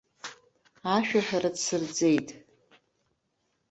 Ашәаҳәара дсырҵеит.